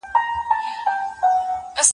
پر دوی باندي ويرول اغيزه نلري.